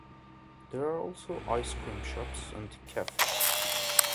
There are also ice cream shops and cafes.